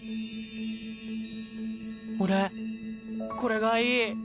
俺これがいい。